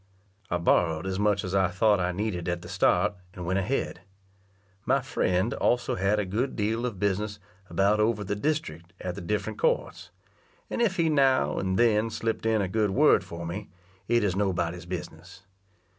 I borrowed as much as I thought I needed at the start, and went ahead. My friend also had a good deal of business about over the district at the different courts; and if he now and then slip'd in a good word for me, it is nobody's business.